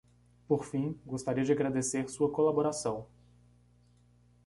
Por fim, gostaria de agradecer sua colaboração.